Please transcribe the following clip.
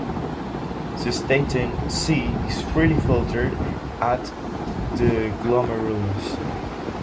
Cystatin C is freely filtered at the glomerulus.